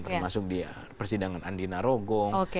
termasuk di persidangan andina rogong